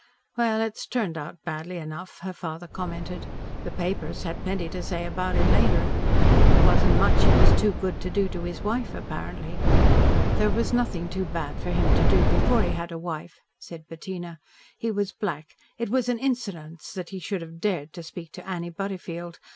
"Well, it's turned out badly enough," her father commented. "The papers had plenty to say about it later. There wasn't much he was too good to do to his wife, apparently." "There was nothing too bad for him to do before he had a wife," said Bettina. "He was black. It was an insolence that he should have dared to speak to Annie Butterfield.